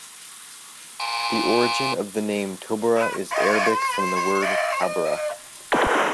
The origin of the name "Tobarra" is Arabic from the word "Tabarrah".